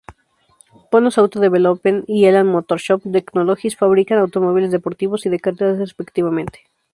Panoz Auto Development y Élan Motorsport Technologies fabrican automóviles deportivos y de carreras respectivamente.